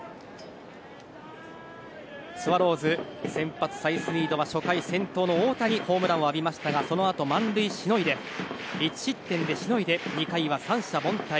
スワローズ先発サイスニードは初回、先頭の太田にホームランを浴びましたがそのあと満塁しのいで１失点でしのいで２回は三者凡退。